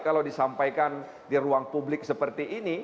kalau disampaikan di ruang publik seperti ini